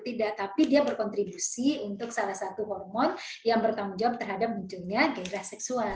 tidak tapi dia berkontribusi untuk salah satu hormon yang bertanggung jawab terhadap munculnya gairah seksual